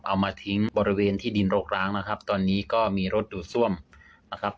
เอามาทิ้งบริเวณที่ดินโรคร้างนะครับตอนนี้ก็มีรถดูดซ่วมนะครับ